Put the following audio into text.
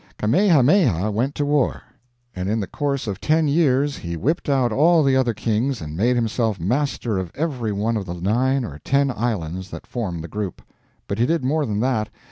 Kamehameha went to war, and in the course of ten years he whipped out all the other kings and made himself master of every one of the nine or ten islands that form the group. But he did more than that.